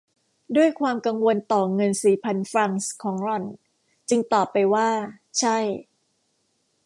ด้วยความกังวลต่อเงินสี่พันฟรังส์ของหล่อน จึงตอบไปว่า ใช่